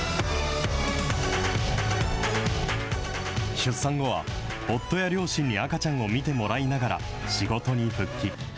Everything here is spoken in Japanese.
出産後は、夫や両親に赤ちゃんを見てもらいながら、仕事に復帰。